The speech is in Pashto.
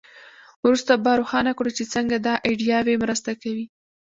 وروسته به روښانه کړو چې څنګه دا ایډیاوې مرسته کوي.